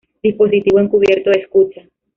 Dispositivo Encubierto de Escucha